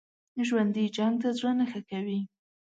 ژوندي جنګ ته زړه نه ښه کوي